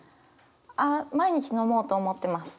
あ毎日飲もうと思ってます。